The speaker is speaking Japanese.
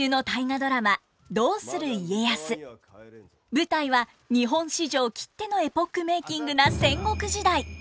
舞台は日本史上きってのエポックメーキングな戦国時代！